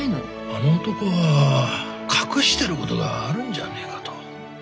あの男は隠してることがあるんじゃねえかと。